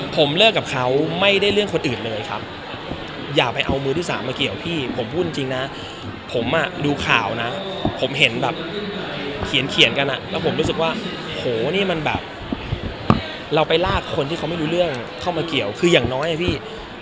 ผมเลิกกับเขาไม่ได้เรื่องคนอื่นเลยครับอย่าไปเอามือที่สามมาเกี่ยวพี่ผมพูดจริงนะผมอ่ะดูข่าวนะผมเห็นแบบเขียนกันอ่ะแล้วผมรู้สึกว่าโหนี่มันแบบเราไปลากคนที่เขาไม่รู้เรื่องเข้ามาเกี่ยวคืออย่างน้อยอ่ะพี่